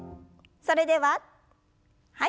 それでははい。